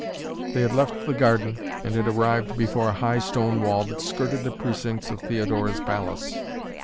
They had left the garden and had arrived before a high stone wall that skirted the precincts of Theodora's palace.